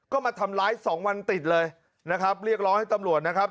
ก็มาทำร้ายสองวันติดเลยนะครับเรียกร้องให้ตำรวจนะครับ